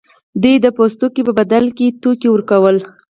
دوی د پوستکو په بدل کې توکي ورکول.